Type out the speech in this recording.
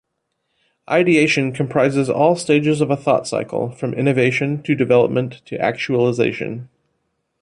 Ideation comprises all stages of a thought cycle, from innovation, to development, to actualization.